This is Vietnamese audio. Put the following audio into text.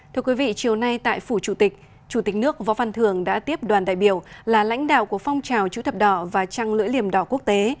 thưa quý vị chiều nay tại phủ chủ tịch chủ tịch nước võ văn thường đã tiếp đoàn đại biểu là lãnh đạo của phong trào chữ thập đỏ và trăng lưỡi liềm đỏ quốc tế